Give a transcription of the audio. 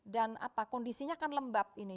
dan kondisinya kan lembab ini